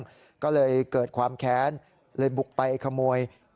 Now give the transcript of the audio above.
ก็เลยเกิดความแค้นเลยบุกไปขโมย